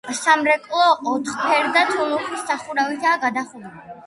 სამრეკლო ოთხფერდა თუნუქის სახურავითაა გადახურული.